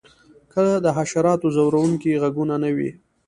که د حشراتو ځورونکي غږونه نه وی